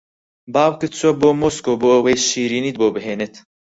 باوکت چووە بۆ مۆسکۆ بۆ ئەوەی شیرینیت بۆ بھێنێت